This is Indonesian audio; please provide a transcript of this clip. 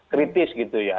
kritis gitu ya